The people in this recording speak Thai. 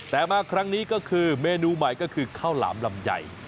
แต่มาครั้งนี้ก็คือเมนูใหม่ก็คือข้าวหลามลำไย